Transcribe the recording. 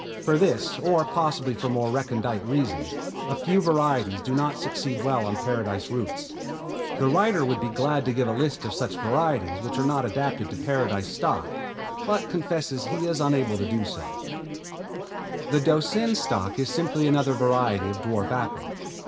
For this, or possibly for more recondite reasons, a few varieties do not succeed well on Paradise roots. The writer would be glad to give a list of such varieties which are not adapted to the Paradise stock, but confesses he is unable to do so. [Illustration: FIG. 7 PARADISE APPLE STOCKS IN EARLY SPRING] The Doucin stock is simply another variety of dwarf apple.